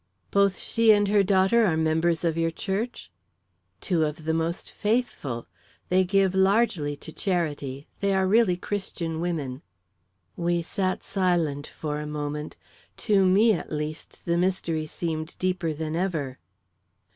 "Both she and her daughter are members of your church?" "Two of the most faithful. They give largely to charity; they are really Christian women." We sat silent for a moment. To me, at least, the mystery seemed deeper than ever.